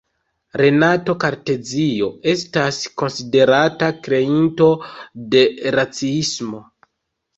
Renato Kartezio estas konsiderata kreinto de raciismo.